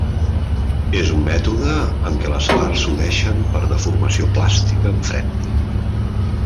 És un mètode en què les parts s'uneixen per deformació plàstica en fred.